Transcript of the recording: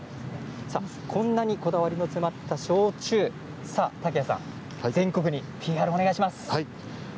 こんなにこだわりの詰まった焼酎全国にＰＲをお願いします。